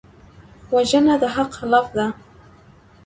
وژنه د حق خلاف ده